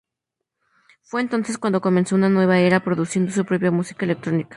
Fue entonces cuando comenzó una nueva era, produciendo su propia música electrónica.